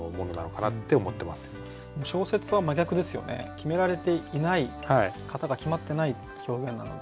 決められていない型が決まってない表現なので。